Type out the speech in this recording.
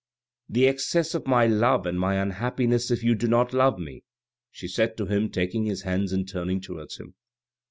" The excess of my love, and my unhappiness if you do not love me," she said to him, taking his hands and turning towards him.